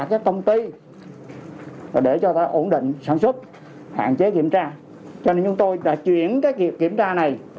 các công ty để cho ta ổn định sản xuất hạn chế kiểm tra cho nên chúng tôi đã chuyển cái việc kiểm tra này